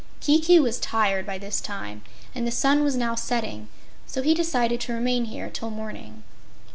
Kiki was tired by this time, and the sun was now setting, so he decided to remain here till morning.